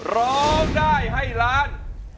ร้องได้ให้ล้าน